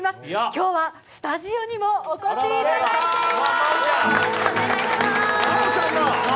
今日はスタジオにもお越しいただいております。